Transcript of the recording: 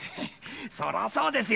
そりゃそうですよ。